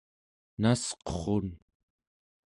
nasqurrun